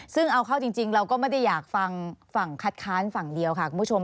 ซึ่งเอาเข้าจริงเราก็ไม่ได้อยากฟังฝั่งคัดค้านฝั่งเดียวค่ะคุณผู้ชม